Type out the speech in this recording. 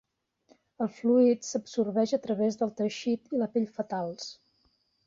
El fluid s'absorbeix a través del teixit i la pell fetals.